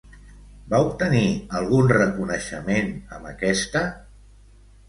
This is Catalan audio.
Va obtenir algun reconeixement amb aquesta?